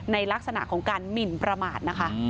ในลักษณะของการหมินประมาท